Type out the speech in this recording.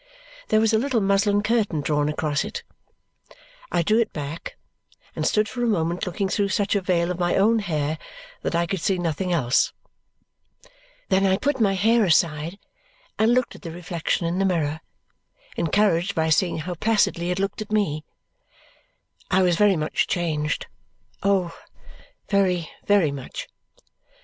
There was a little muslin curtain drawn across it. I drew it back and stood for a moment looking through such a veil of my own hair that I could see nothing else. Then I put my hair aside and looked at the reflection in the mirror, encouraged by seeing how placidly it looked at me. I was very much changed oh, very, very much.